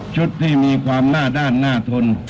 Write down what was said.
ที่มีความหน้าด้านหน้าทน